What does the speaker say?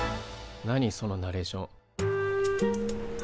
何そのナレーション。